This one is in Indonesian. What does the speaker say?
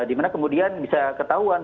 dimana kemudian bisa ketahuan